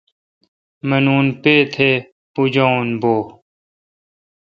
منون پے تھہ بُجاوون بو°